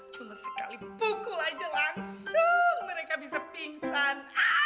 cuma sekali pukul aja langsung mereka bisa pingsan